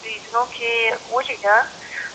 په لویه جرګه کي د عصري کرنې د ودې له پاره څه ویل کېږي؟